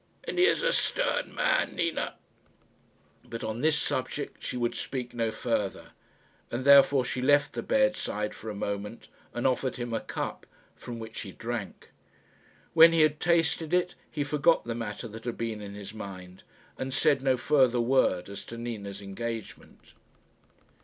"And he is a stern man, Nina." But on this subject she would speak no further, and therefore she left the bedside for a moment, and offered him a cup, from which he drank. When he had tasted it he forgot the matter that had been in his mind, and said no further word as to Nina's engagement.